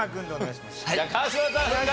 じゃあ川島さん復活！